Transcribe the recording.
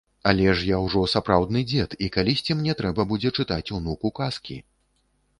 Але ж я ўжо сапраўдны дзед, і калісьці мне трэба будзе чытаць унуку казкі.